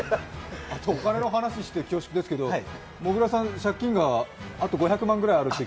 あとお金の話して恐縮ですが、もぐらさん借金があと５００万ぐらいあるとか。